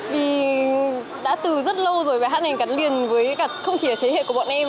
vì đã từ rất lâu rồi bài hát này gắn liền với không chỉ thế hệ của bọn em